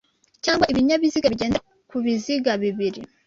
cyangwa ibinyabiziga bigendera ku biziga bibiri